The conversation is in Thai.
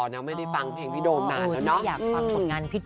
โดมเนี้ยบอกเลยว่าโอ้โห